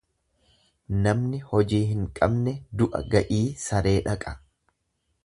Namni hojii hin qabne du'a ga'ii saree dhaqa.